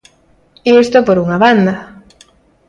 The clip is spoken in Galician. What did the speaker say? Isto por unha banda.